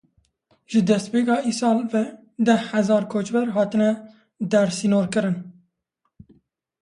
Ji destpêka îsal ve deh hezar koçber hatine dersînorkirin.